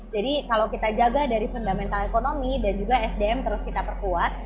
jadi kalau kita jaga dari fundamental ekonomi dan juga sdm terus kita perkuat